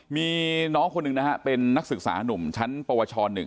มีน้องคนนึงนะเป็นนักศึกษานุ่มชั้นประวัชธ์๑